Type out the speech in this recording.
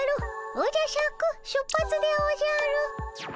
おじゃシャク出発でおじゃる。